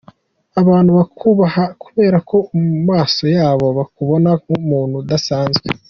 Abantu bakubaha kubera ko mu maso yabo bakubona nk’umuntu udasanzwe.